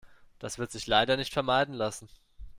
Das wird sich leider nicht vermeiden lassen.